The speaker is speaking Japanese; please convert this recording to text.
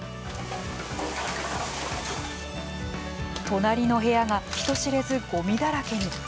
隣の部屋が人知れずゴミだらけに。